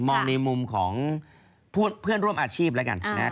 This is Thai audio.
ในมุมของเพื่อนร่วมอาชีพแล้วกันนะครับ